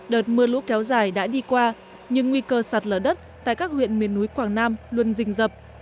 đợt mưa lũ kéo dài đã đi qua nhưng nguy cơ sạt lở đất tại các huyện miền núi quảng nam luôn rình dập